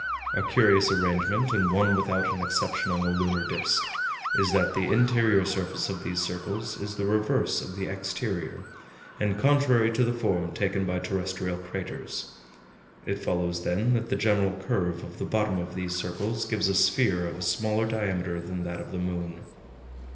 A curious arrangement, and one without an exception on the lunar disc, is that the interior surface of these circles is the reverse of the exterior, and contrary to the form taken by terrestrial craters. It follows, then, that the general curve of the bottom of these circles gives a sphere of a smaller diameter than that of the moon."